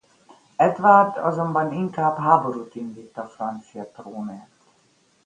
Edvárd azonban inkább háborút indít a francia trónért.